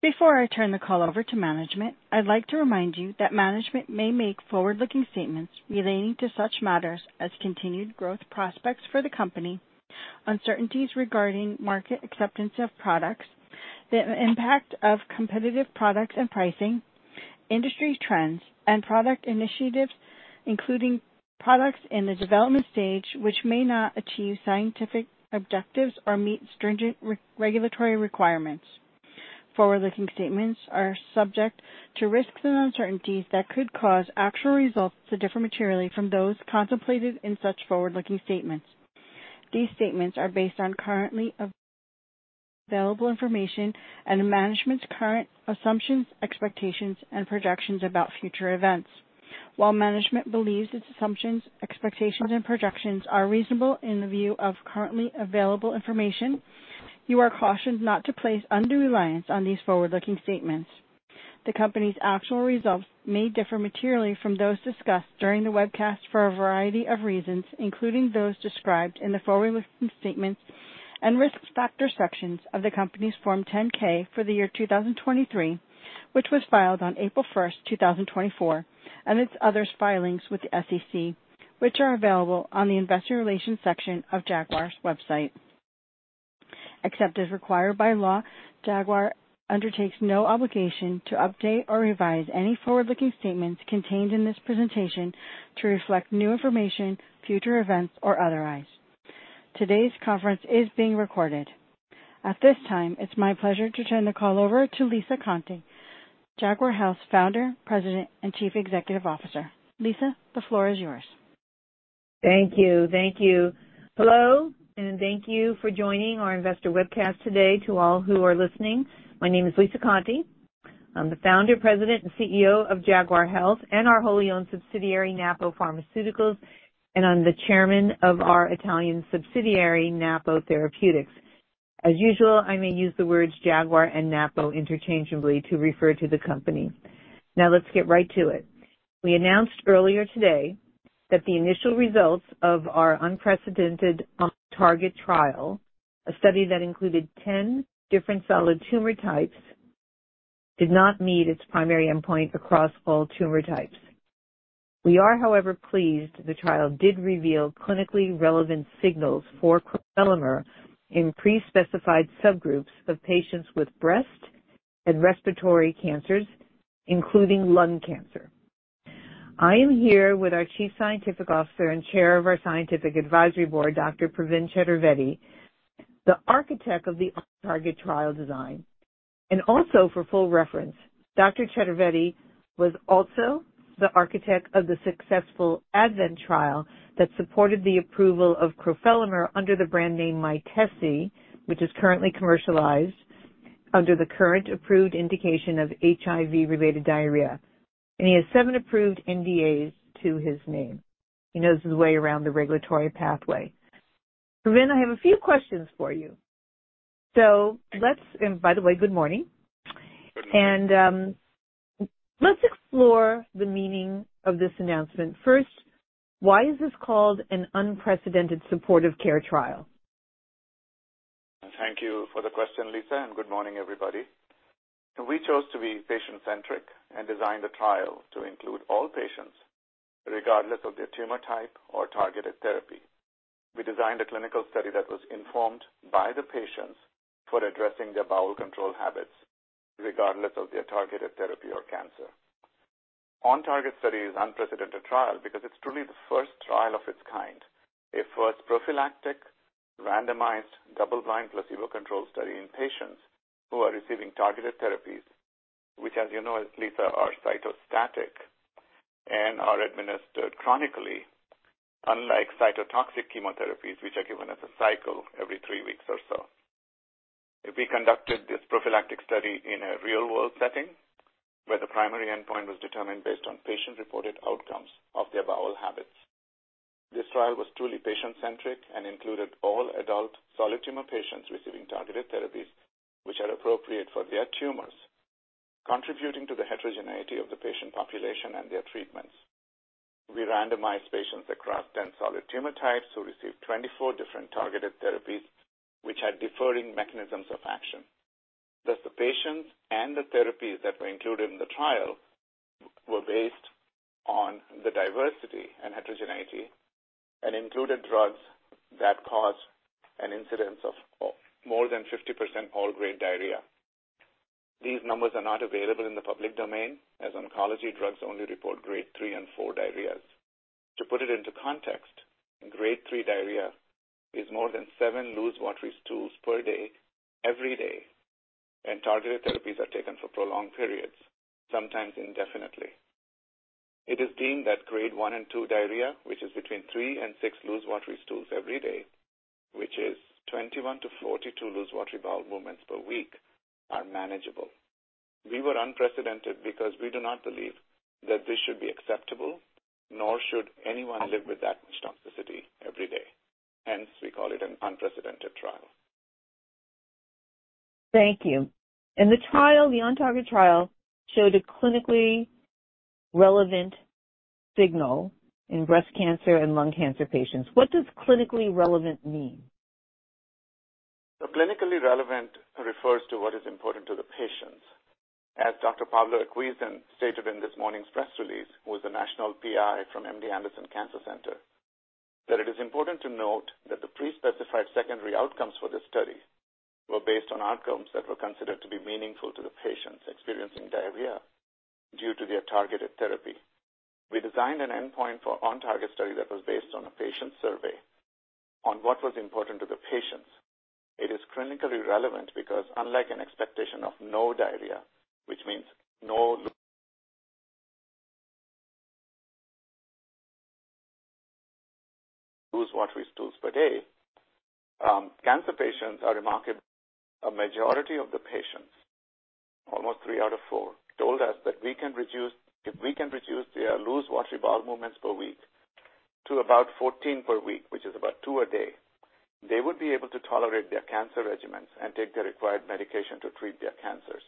Before I turn the call over to management, I'd like to remind you that management may make forward-looking statements relating to such matters as continued growth prospects for the company, uncertainties regarding market acceptance of products, the impact of competitive products and pricing, industry trends, and product initiatives, including products in the development stage, which may not achieve scientific objectives or meet stringent regulatory requirements. Forward-looking statements are subject to risks and uncertainties that could cause actual results to differ materially from those contemplated in such forward-looking statements. These statements are based on currently available information and management's current assumptions, expectations, and projections about future events. While management believes its assumptions, expectations, and projections are reasonable in the view of currently available information, you are cautioned not to place undue reliance on these forward-looking statements. The company's actual results may differ materially from those discussed during the webcast for a variety of reasons, including those described in the forward-looking statements and risk factor sections of the company's Form 10-K for the year 2023, which was filed on April 1, 2024, and its other filings with the SEC, which are available on the Investor Relations section of Jaguar's website. Except as required by law, Jaguar undertakes no obligation to update or revise any forward-looking statements contained in this presentation to reflect new information, future events, or otherwise. Today's conference is being recorded. At this time, it's my pleasure to turn the call over to Lisa Conte, Jaguar Health's Founder, President, and Chief Executive Officer. Lisa, the floor is yours. Thank you. Thank you. Hello, and thank you for joining our investor webcast today. To all who are listening, my name is Lisa Conte. I'm the Founder, President, and CEO of Jaguar Health and our wholly owned subsidiary, Napo Pharmaceuticals, and I'm the Chairman of our Italian subsidiary, Napo Therapeutics. As usual, I may use the words Jaguar and Napo interchangeably to refer to the company. Now, let's get right to it. We announced earlier today that the initial results of our unprecedented OnTarget trial, a study that included 10 different solid tumor types, did not meet its primary endpoint across all tumor types. We are, however, pleased the trial did reveal clinically relevant signals for crofelemer in pre-specified subgroups of patients with breast and respiratory cancers, including lung cancer. I am here with our Chief Scientific Officer and Chair of our Scientific Advisory Board, Dr. Pravin Chaturvedi, the architect of the OnTarget trial design, and also for full reference, Dr. Chaturvedi was also the architect of the successful ADVENT trial that supported the approval of crofelemer under the brand name Mytesi, which is currently commercialized under the current approved indication of HIV-related diarrhea. And he has seven approved NDAs to his name. He knows his way around the regulatory pathway. Pravin, I have a few questions for you. So let's, and by the way, good morning. And, let's explore the meaning of this announcement. First, why is this called an unprecedented supportive care trial? Thank you for the question, Lisa, and good morning, everybody. We chose to be patient-centric and designed a trial to include all patients, regardless of their tumor type or targeted therapy. We designed a clinical study that was informed by the patients for addressing their bowel control habits, regardless of their targeted therapy or cancer. OnTarget study is unprecedented trial because it's truly the first trial of its kind. It was prophylactic, randomized, double-blind, placebo-controlled study in patients who are receiving targeted therapies, which, as you know, Lisa, are cytostatic and are administered chronically, unlike cytotoxic chemotherapies, which are given as a cycle every three weeks or so. We conducted this prophylactic study in a real-world setting, where the primary endpoint was determined based on patient-reported outcomes of their bowel habits. This trial was truly patient-centric and included all adult solid tumor patients receiving targeted therapies, which are appropriate for their tumors, contributing to the heterogeneity of the patient population and their treatments. We randomized patients across 10 solid tumor types who received 24 different targeted therapies, which had differing mechanisms of action. Thus, the patients and the therapies that were included in the trial were based on the diversity and heterogeneity and included drugs that caused an incidence of more than 50% all-grade diarrhea. These numbers are not available in the public domain, as oncology drugs only report Grade 3 and 4 diarrheas. To put it into context, Grade 3 diarrhea is more than seven loose, watery stools per day, every day, and targeted therapies are taken for prolonged periods, sometimes indefinitely. It is deemed that Grade 1 and 2 diarrhea, which is between 3 and 6 loose, watery stools every day, which is 21 to 42 loose, watery bowel movements per week, are manageable. We were unprecedented because we do not believe that this should be acceptable, nor should anyone live with that much toxicity every day. Hence, we call it an unprecedented trial. Thank you. In the trial, the OnTarget trial showed a clinically relevant signal in breast cancer and lung cancer patients. What does clinically relevant mean? So clinically relevant refers to what is important to the patients. As Dr. Pablo Okhuysen, who is the national PI from MD Anderson Cancer Center, stated in this morning's press release, that it is important to note that the pre-specified secondary outcomes for this study were based on outcomes that were considered to be meaningful to the patients experiencing diarrhea due to their targeted therapy. We designed an endpoint for OnTarget study that was based on a patient survey on what was important to the patients. It is clinically relevant because unlike an expectation of no diarrhea, which means no loose watery stools per day, cancer patients are remarkable. A majority of the patients, almost three out of four, told us that if we can reduce their loose, watery bowel movements per week to about 14 per week, which is about two a day, they would be able to tolerate their cancer regimens and take the required medication to treat their cancers.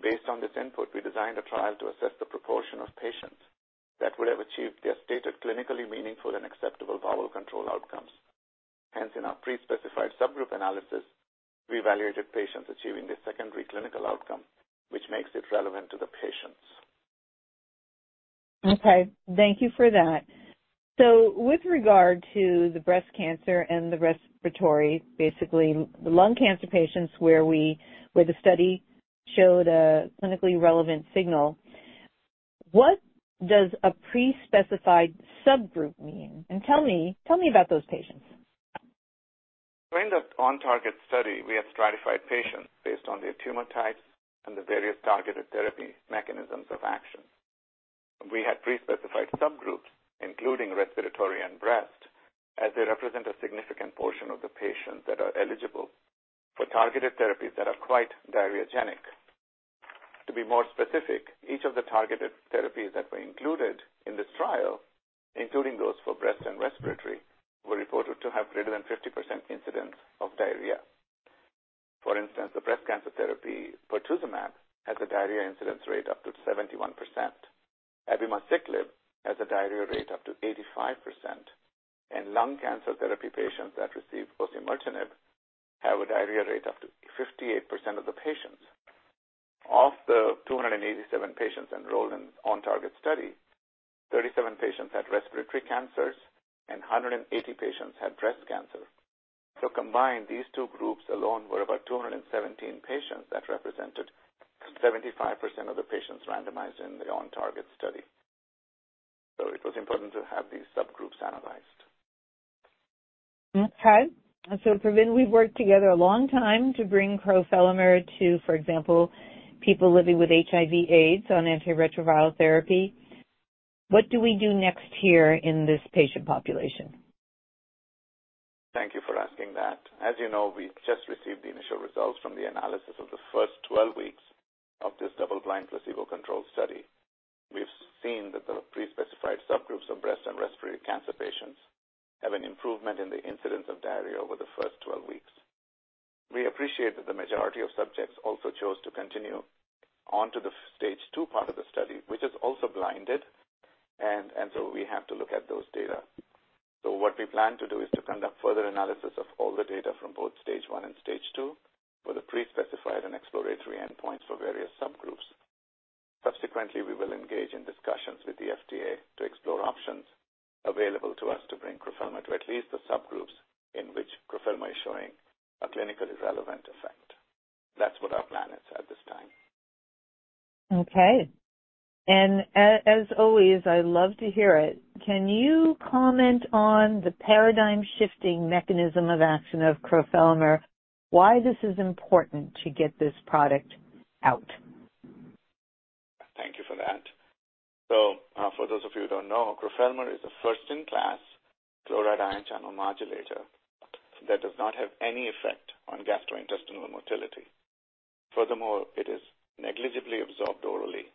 Based on this input, we designed a trial to assess the proportion of patients that would have achieved their stated, clinically meaningful and acceptable bowel control outcomes. Hence, in our pre-specified subgroup analysis, we evaluated patients achieving this secondary clinical outcome, which makes it relevant to the patients. Okay, thank you for that. So with regard to the breast cancer and the respiratory, basically the lung cancer patients, where the study showed a clinically relevant signal, what does a pre-specified subgroup mean? And tell me about those patients. During the OnTarget study, we have stratified patients based on their tumor types and the various targeted therapy mechanisms of action. We had pre-specified subgroups, including respiratory and breast, as they represent a significant portion of the patients that are eligible for targeted therapies that are quite diarrheagenic. To be more specific, each of the targeted therapies that were included in this trial, including those for breast and respiratory, were reported to have greater than 50% incidence of diarrhea. For instance, the breast cancer therapy pertuzumab has a diarrhea incidence rate up to 71%. Abemaciclib has a diarrhea rate up to 85%, and lung cancer therapy patients that receive osimertinib have a diarrhea rate up to 58% of the patients. Of the 287 patients enrolled in OnTarget study, 37 patients had respiratory cancers and 180 patients had breast cancer. Combined, these two groups alone were about 217 patients. That represented 75% of the patients randomized in the OnTarget study. It was important to have these subgroups analyzed. Okay, so Pravin, we've worked together a long time to bring crofelemer to, for example, people living with HIV, AIDS on antiretroviral therapy. What do we do next here in this patient population? Thank you for asking that. As you know, we've just received the initial results from the analysis of the first 12 weeks of this double-blind, placebo-controlled study. We've seen that the pre-specified subgroups of breast and respiratory cancer patients have an improvement in the incidence of diarrhea over the first 12 weeks. We appreciate that the majority of subjects also chose to continue on to the stage two part of the study, which is also blinded, and so we have to look at those data. So what we plan to do is to conduct further analysis of all the data from both Stage 1 and Stage 2, with a pre-specified and exploratory endpoint for various subgroups. Subsequently, we will engage in discussions with the FDA to explore options available to us to bring crofelemer to at least the subgroups in which crofelemer is showing a clinically relevant effect. That's what our plan is at this time. Okay, and as always, I love to hear it. Can you comment on the paradigm-shifting mechanism of action of crofelemer, why this is important to get this product out? Thank you for that. So, for those of you who don't know, crofelemer is a first-in-class chloride ion channel modulator that does not have any effect on gastrointestinal motility. Furthermore, it is negligibly absorbed orally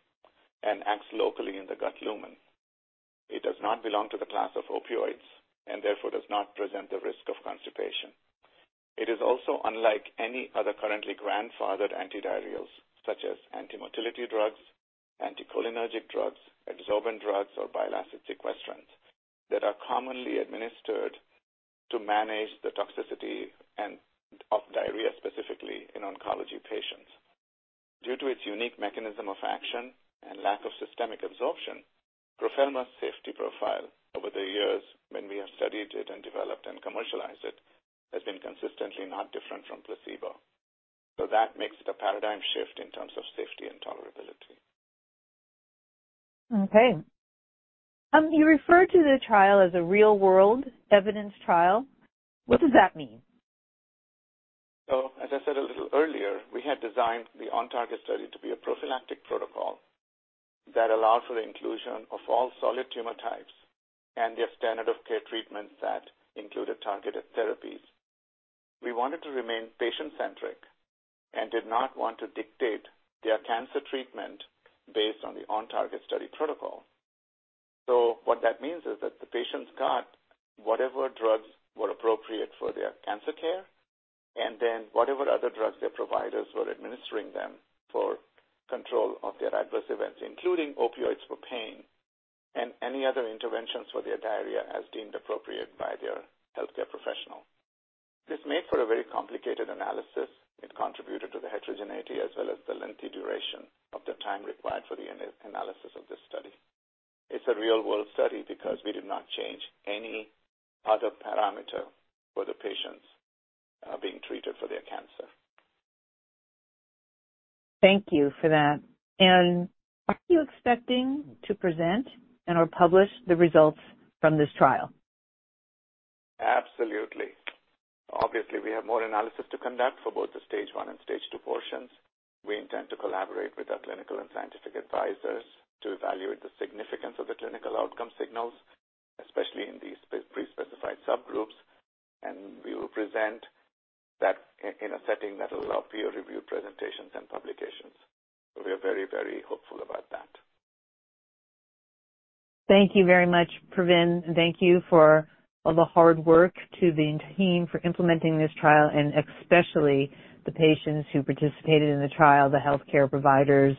and acts locally in the gut lumen. It does not belong to the class of opioids and therefore does not present the risk of constipation. It is also unlike any other currently grandfathered antidiarrheals such as antimotility drugs, anticholinergic drugs, adsorbent drugs, or bile acid sequestrants that are commonly administered to manage the toxicity and, of diarrhea, specifically in oncology patients. Due to its unique mechanism of action and lack of systemic absorption, crofelemer's safety profile over the years when we have studied it and developed and commercialized it, has been consistently not different from placebo. So that makes it a paradigm shift in terms of safety and tolerability. Okay. You referred to the trial as a real-world evidence trial. What does that mean? So as I said a little earlier, we had designed the OnTarget study to be a prophylactic protocol that allowed for the inclusion of all solid tumor types and their standard of care treatments that included targeted therapies. We wanted to remain patient-centric and did not want to dictate their cancer treatment based on the OnTarget study protocol. So what that means is that the patients got whatever drugs were appropriate for their cancer care, and then whatever other drugs their providers were administering them for control of their adverse events, including opioids for pain and any other interventions for their diarrhea, as deemed appropriate by their healthcare professional. This made for a very complicated analysis. It contributed to the heterogeneity as well as the lengthy duration of the time required for the analysis of this study. It's a real-world study because we did not change any other parameter for the patients being treated for their cancer. Thank you for that. Are you expecting to present and/or publish the results from this trial? Absolutely. Obviously, we have more analysis to conduct for both the stage one and stage two portions. We intend to collaborate with our clinical and scientific advisors to evaluate the significance of the clinical outcome signals, especially in these pre-specified subgroups, and we will present that in a setting that allows peer-reviewed presentations and publications. So we are very, very hopeful about that. Thank you very much, Pravin, and thank you for all the hard work to the team for implementing this trial, and especially the patients who participated in the trial, the healthcare providers,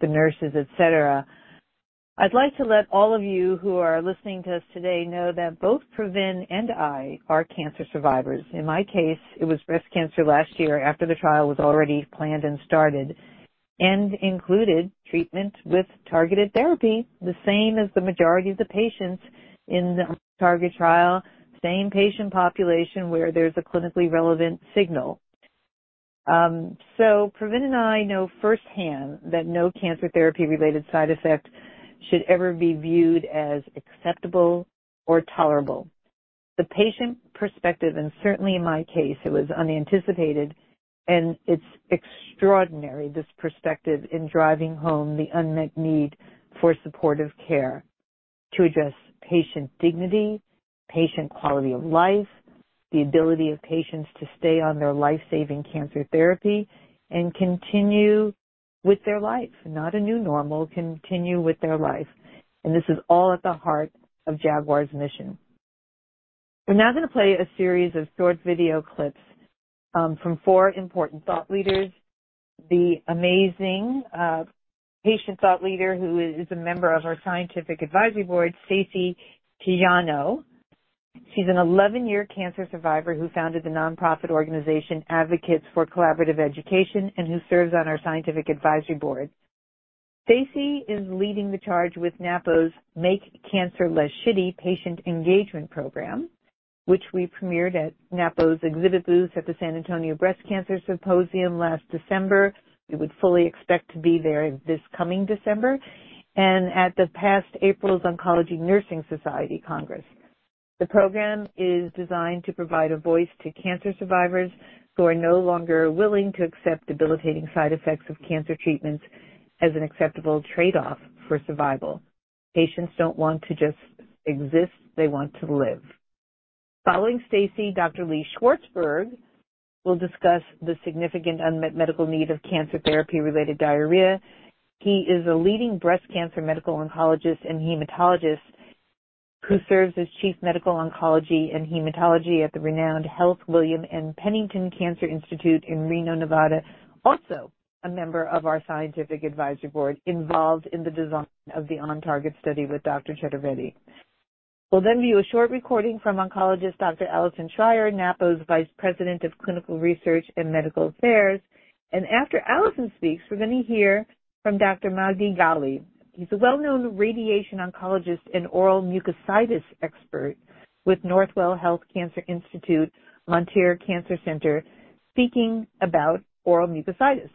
the nurses, et cetera. I'd like to let all of you who are listening to us today know that both Pravin and I are cancer survivors. In my case, it was breast cancer last year, after the trial was already planned and started, and included treatment with targeted therapy, the same as the majority of the patients in the OnTarget trial, same patient population, where there's a clinically relevant signal. So Pravin and I know firsthand that no cancer therapy-related side effect should ever be viewed as acceptable or tolerable. The patient perspective, and certainly in my case, it was unanticipated, and it's extraordinary, this perspective, in driving home the unmet need for supportive care to address patient dignity, patient quality of life, the ability of patients to stay on their life-saving cancer therapy and continue with their life, not a new normal, continue with their life. This is all at the heart of Jaguar's mission. We're now gonna play a series of short video clips from four important thought leaders. The amazing patient thought leader, who is a member of our scientific advisory board, Stacy Tiano. She's an 11-year cancer survivor who founded the nonprofit organization, Advocates for Collaborative Education, and who serves on our scientific advisory board. Stacy is leading the charge with Napo's Make Cancer Less Shitty patient engagement program, which we premiered at Napo's exhibit booth at the San Antonio Breast Cancer Symposium last December. We would fully expect to be there this coming December, and at the past April's Oncology Nursing Society Congress. The program is designed to provide a voice to cancer survivors who are no longer willing to accept debilitating side effects of cancer treatments as an acceptable trade-off for survival. Patients don't want to just exist, they want to live. Following Stacy, Dr. Lee Schwartzberg will discuss the significant unmet medical need of cancer therapy-related diarrhea. He is a leading breast cancer medical oncologist and hematologist who serves as chief medical oncology and hematology at the Renown Health William N. Pennington Cancer Institute in Reno, Nevada. Also, a member of our scientific advisory board, involved in the design of the OnTarget study with Dr. Chaturvedi. We'll then view a short recording from oncologist, Dr. Allison Simon, Napo's Vice President of Clinical Research and Medical Affairs. After Allison speaks, we're gonna hear from Dr. Magdy Ghaly. He's a well-known radiation oncologist and oral mucositis expert with Northwell Health Cancer Institute, Monter Cancer Center, speaking about oral mucositis.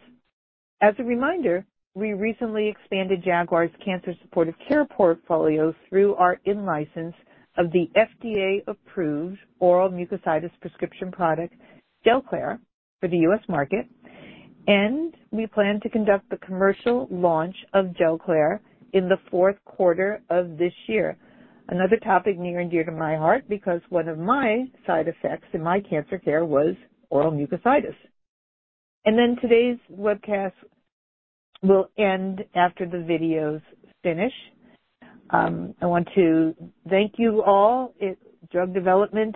As a reminder, we recently expanded Jaguar's Cancer Supportive Care portfolio through our in-license of the FDA-approved oral mucositis prescription product, Gelclair, for the U.S. market, and we plan to conduct the commercial launch of Gelclair in the fourth quarter of this year. Another topic near and dear to my heart, because one of my side effects in my cancer care was oral mucositis. Today's webcast will end after the videos finish. I want to thank you all. Drug development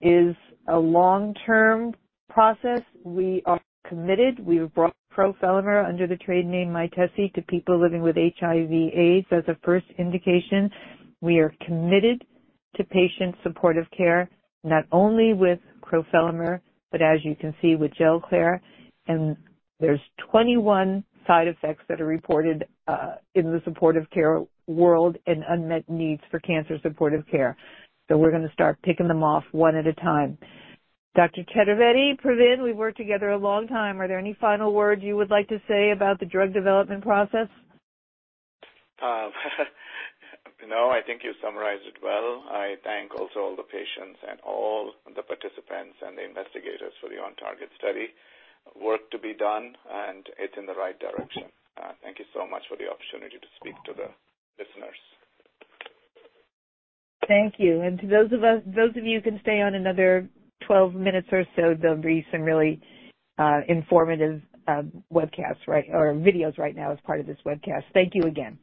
is a long-term process. We are committed. We've brought crofelemer under the trade name, Mytesi, to people living with HIV/AIDS as a first indication. We are committed to patient supportive care, not only with crofelemer, but as you can see, with Gelclair, and there's 21 side effects that are reported in the supportive care world and unmet needs for cancer supportive care. So we're gonna start picking them off one at a time. Dr. Chaturvedi, Pravin, we've worked together a long time. Are there any final words you would like to say about the drug development process? No, I think you summarized it well. I thank also all the patients and all the participants and the investigators for the OnTarget study. Work to be done, and it's in the right direction. Thank you so much for the opportunity to speak to the listeners. Thank you. And to those of you who can stay on another 12 minutes or so, there'll be some really informative webcasts, right, or videos right now as part of this webcast. Thank you again.